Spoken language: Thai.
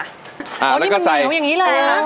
อันนี้มันเหนียวอย่างนี้เลยนะ